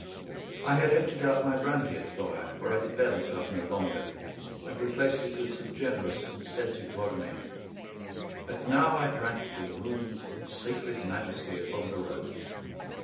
I had emptied out my brandy at Florac, for I could bear the stuff no longer, and replaced it with some generous and scented Volnay; and now I drank to the moon's sacred majesty upon the road.